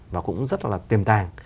và cũng rất là tiềm tàng